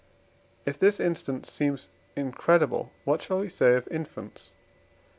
If this instance seems incredible, what shall we say of infants?